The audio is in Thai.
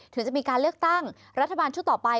ถึงจะมีการเลือกตั้งรัฐบาลชุดต่อไป